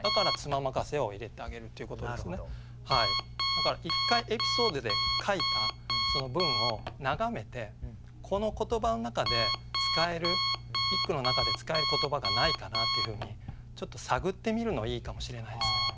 だから一回エピソードで書いた文を眺めてこの言葉の中で使える一句の中で使える言葉がないかなっていうふうにちょっと探ってみるのいいかもしれないですね。